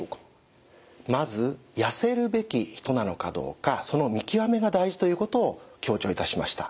まずやせるべき人なのかどうかその見極めが大事ということを強調いたしました。